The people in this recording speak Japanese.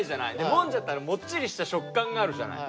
もんじゃってあれもっちりした食感があるじゃない？